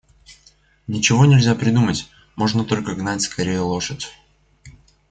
Ничего нельзя придумать, можно только гнать скорее лошадь.